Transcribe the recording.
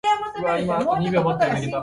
三人とも何も言わず、一斗缶を見つめていた